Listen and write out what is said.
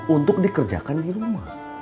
untuk dikerjakan di rumah